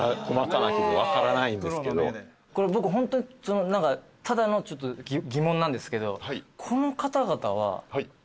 これ僕ホントただの疑問なんですけど。